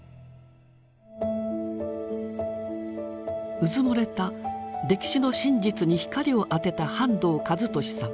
うずもれた歴史の真実に光を当てた半藤一利さん。